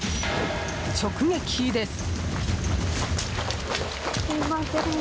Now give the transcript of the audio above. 直撃です！